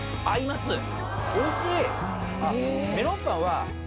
合います。